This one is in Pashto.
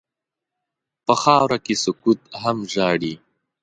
په خاوره کې سکوت هم ژاړي.